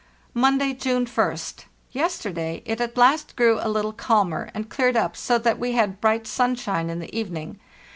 "Monday, June 1st. Yesterday it at last grew a little calmer, and cleared up so that we had bright sunshine in the evening.